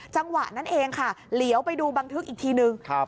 จังหวะนั้นเองค่ะเหลียวไปดูบันทึกอีกทีนึง